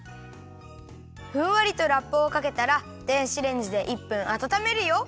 ふんわりとラップをかけたら電子レンジで１分あたためるよ。